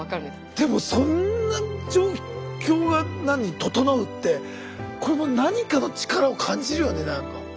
でもそんな状況が何整うってこれもう何かの力を感じるよね何か。